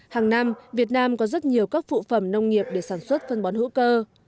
hàng năm việt nam có rất nhiều các phụ phẩm nông nghiệp để sản xuất phân bón hữu cơ